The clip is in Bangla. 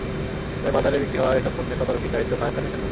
তবে বাজারে বিক্রি হওয়া এসব পণ্যের তদারকির দায়িত্ব ফায়ার সার্ভিসের নয়।